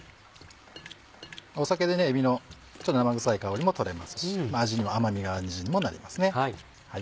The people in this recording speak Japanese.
酒でえびのちょっと生臭い香りも取れますし味にも甘みがある感じにもなりますね。